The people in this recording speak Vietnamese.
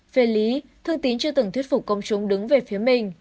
phi lý thương tín chưa từng thuyết phục công chúng đứng về phía mình